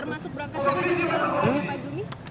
termasuk berangkasan ini